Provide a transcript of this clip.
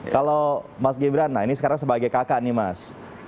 kalau mas gibran nah ini sekarang sebagai kakak nih mas